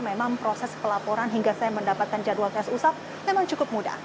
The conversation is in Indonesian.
memang proses pelaporan hingga saya mendapatkan jadwal tes usap memang cukup mudah